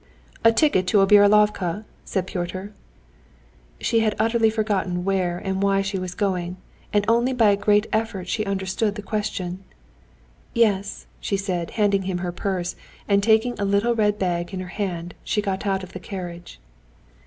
"A ticket to Obiralovka?" said Pyotr. She had utterly forgotten where and why she was going, and only by a great effort she understood the question. "Yes," she said, handing him her purse, and taking a little red bag in her hand, she got out of the carriage.